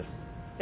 え